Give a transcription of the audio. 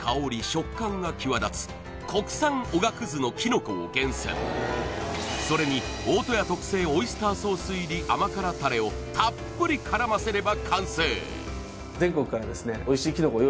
食感が際立つ国産おがくずのキノコを厳選それに大戸屋特製オイスターソース入り甘辛タレをたっぷり絡ませれば完成絶対に合格したいと思います